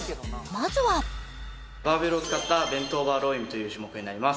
まずはバーベルを使ったベントオーバーロウイングという種目になります